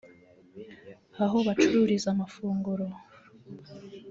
aho bacururiza amafunguro